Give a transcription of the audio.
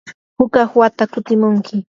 hukaq wata kutimunkim.